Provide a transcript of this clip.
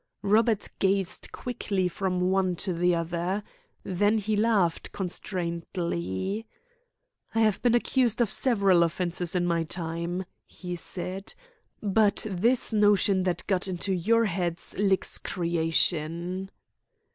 Robert gazed quickly from one to the other. Then he laughed constrainedly. "I have been accused of several offences in my time," he said, "but this notion that got into your heads licks creation."